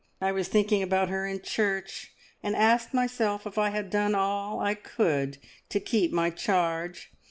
I was thinking about her in church, and asked myself if I had done all I could to keep my charge.